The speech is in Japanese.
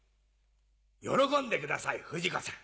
喜んでください不二子さん。